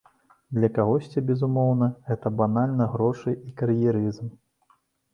Для кагосьці, безумоўна, гэта банальна грошы і кар'ерызм.